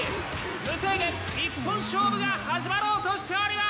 無制限一本勝負が始まろうとしております！